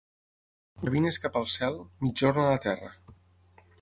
Gavines cap al cel, migjorn a la terra.